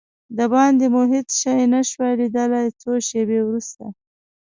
دباندې مو هېڅ شی نه شوای لیدلای، څو شېبې وروسته.